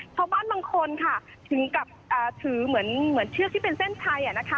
ชาวบ้านบางคนค่ะถึงกับอ่าถือเหมือนเหมือนเชือกที่เป็นเส้นไทยอ่ะนะคะ